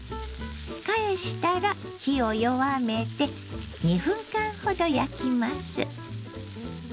返したら火を弱めて２分間ほど焼きます。